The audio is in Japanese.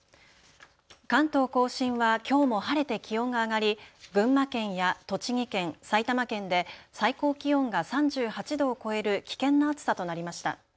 関東甲信はきょうも晴れて気温が上がり群馬県や栃木県、埼玉県で最高気温が３８度を超える危険な暑さとなりました。